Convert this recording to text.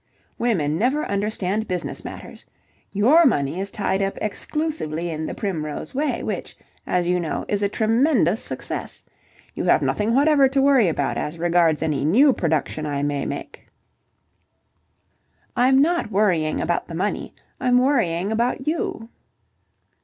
Women never understand business matters. Your money is tied up exclusively in 'The Primrose Way,' which, as you know, is a tremendous success. You have nothing whatever to worry about as regards any new production I may make." "I'm not worrying about the money. I'm worrying about you."